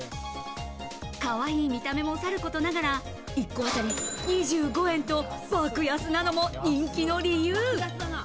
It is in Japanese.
かわいい見た目もさることながら、１個あたり２５円と爆安なのも人気の理由。